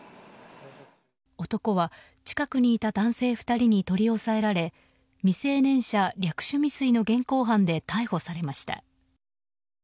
男は近くにいた男性２人に取り押さえられ未成年者略取未遂の現行犯で逮捕されました。